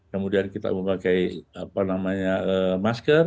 kemudian kita memakai apa namanya masker